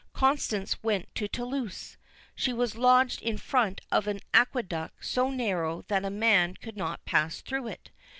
Constance went to Toulouse. She was lodged in front of an aqueduct so narrow that a man could not pass through it.